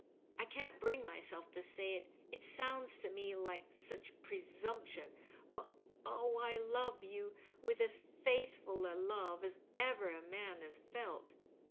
I can't bring myself to say it — ^it sounds to me like such presumption — ^but oh, I love you with as faithful a love as ever a man has felt.